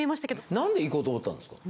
なんで行こうと思ったんですか？